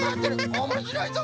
おもしろいぞ！